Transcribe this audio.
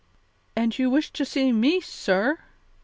"And you wish to see me, sir?"